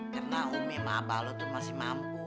karena umi sama abah lo tuh masih mampu